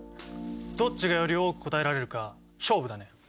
どっちがより多く答えられるか勝負だね！